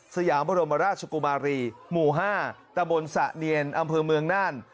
สยามบรมราชกุมารีหมู่๕ตะบนสะเนียนอำเภอเมืองน่าน